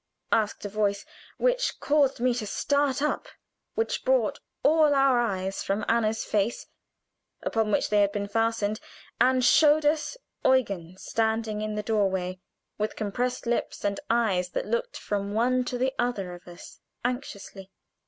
asked a voice which caused me to start up, which brought all our eyes from Anna's face, upon which they had been fastened, and showed us Eugen standing in the door way, with compressed lips and eyes that looked from one to the other of us anxiously.